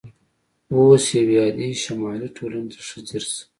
اوس یوې عادي شمالي ټولنې ته ښه ځیر شئ